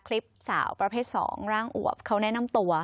คลิปสาวประเภท๒ร่างอวบเขาแนะนำตัว